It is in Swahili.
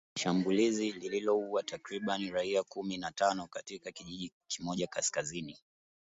shambulizi lililoua takribani raia kumi na tano katika kijiji kimoja kaskazini